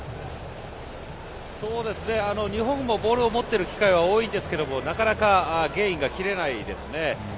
日本もボールを持っている機会は多いんですけれどもなかなかゲインが切れないですね。